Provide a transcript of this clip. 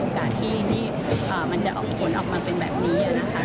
ที่มันจะออกผลออกมาเป็นแบบนี้นะคะ